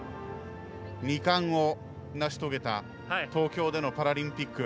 ２冠を成し遂げた東京でのパラリンピック。